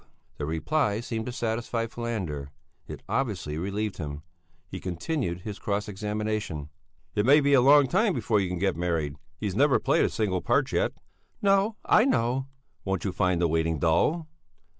The reply seemed to satisfy Falander; it obviously relieved him. He continued his cross examination. "It may be a long time before you can get married. He's never played a single part yet." "No, I know." "Won't you find the waiting dull?"